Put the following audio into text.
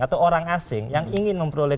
atau orang asing yang ingin memperoleh